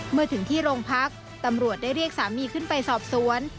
เมื่อถึงที่โรงพักตำรวจได้เรียกสามีขึ้นไปสอบสวน